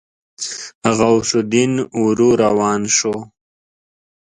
غوث الدين ورو روان شو.